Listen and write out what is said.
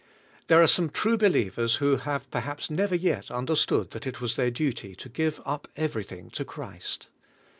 There are some true believers who have perhaps never yet understood that it was their duty to give up everything to Christ.